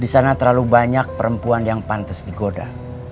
di sana terlalu banyak perempuan yang pantas digoda